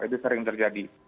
itu sering terjadi